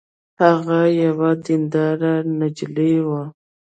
هغه یوه دینداره نجلۍ وه